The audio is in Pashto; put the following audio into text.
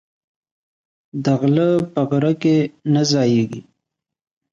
دغله په غره کی نه ځاييږي